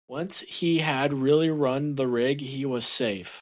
Once he had really run the rig he was safe.